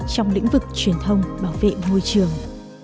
trong lĩnh vực truyền thông bảo vệ môi trường